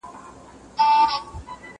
زه پرون کالي ومينځل؟